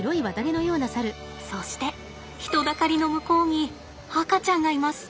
そして人だかりの向こうに赤ちゃんがいます！